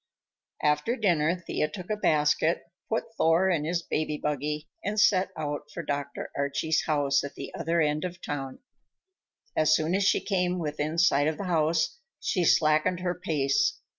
After dinner Thea took a basket, put Thor in his baby buggy, and set out for Dr. Archie's house at the other end of town. As soon as she came within sight of the house, she slackened her pace.